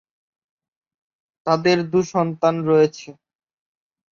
তাদের দু’সন্তান রয়েছে।